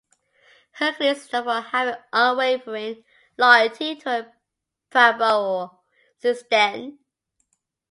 Hercules is known for having "unwavering" loyalty toward Prabowo since then.